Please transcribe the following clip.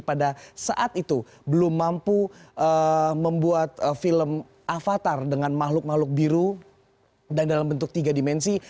pada saat itu belum mampu membuat film avatar dengan makhluk makhluk biru dan dalam bentuk tiga dimensi